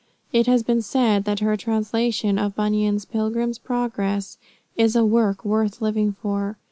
It has been said that her translation of Bunyan's Pilgrim's Progress is a work worth living for.